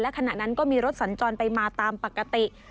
ขณะนั้นก็มีรถสัญจรไปมาตามปกติ